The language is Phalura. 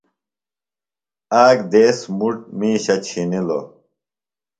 آک دیس مُٹ میشہ چِھنلوۡ۔